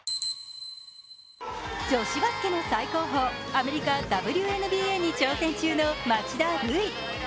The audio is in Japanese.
女子バスケの最高峰アメリカ・ＷＮＢＡに挑戦中の町田瑠唯。